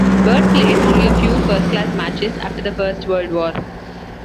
Bird played only a few first-class matches after the First World War.